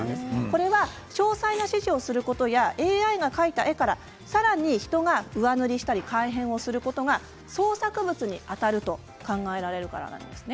これは詳細な指示をすることやＡＩが描いた絵から、さらに人が上塗りしたり改変することが創作物にあたると考えられるからなんです。